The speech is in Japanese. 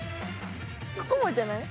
ここもじゃない？